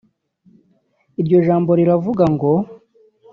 iryo jambo riravuga ngo